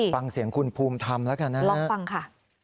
ฟังเสียงคุณภูมิทำละกันนะลองฟังค่ะ